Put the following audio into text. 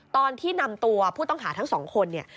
ตอนที่นำตัวผู้ต้องหาทั้งสองคนเนี่ย